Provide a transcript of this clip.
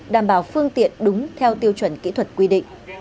đảm bảo phương tiện đúng theo tiêu chuẩn kỹ thuật quy định